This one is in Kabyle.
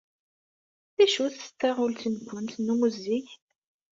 D acu-tt taɣult-nwent n ummuzzeg?